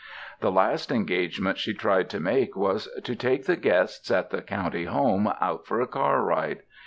The last engagement she tried to make was to take the guests at the county home out for a car ride.